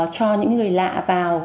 cho những người lạ vào